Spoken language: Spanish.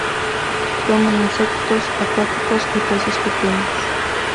Come insectos acuáticos y peces pequeños.